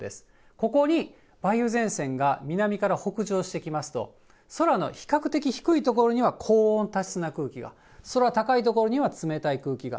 ここに梅雨前線が、南から北上してきますと、空の比較的低い所には高温多湿な空気が、空高い所には、冷たい空気が。